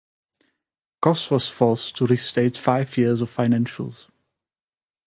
Koss was forced to restate five years of financials.